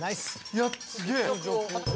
いやすげえ。